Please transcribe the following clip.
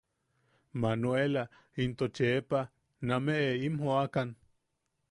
Manueela into Chepa nameʼe im joʼakan.